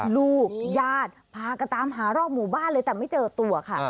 ลูกญาติพากันตามหารอบหมู่บ้านเลยแต่ไม่เจอตัวค่ะ